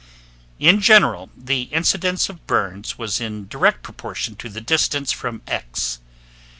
In general, the incidence of burns was in direct proportion to the distance from X.